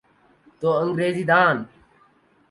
تو انگریزی دان۔